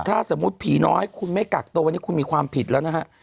ถ้าสมมุติผีน้อยคุณไม่กักตัววันนี้คุณมีความผิดแล้วนะฮะ